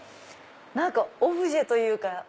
オブジェというか。